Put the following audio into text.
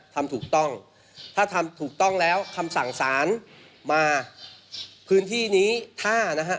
ทำถูกต้องถ้าทำถูกต้องแล้วคำสั่งสารมาพื้นที่นี้ถ้านะฮะ